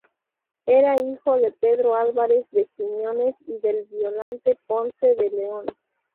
Era hijo de Pedro Álvarez de Quiñones y de Violante Ponce de León.